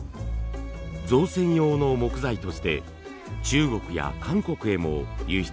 造船用の木材として中国や韓国へも輸出されました。